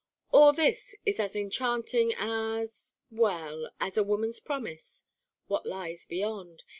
All this is as enchanting as well, as a woman's promise. What lies beyond?